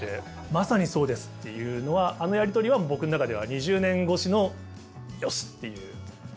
「まさにそうです」っていうのはあのやり取りは僕の中では２０年越しの「よしっ」ていう。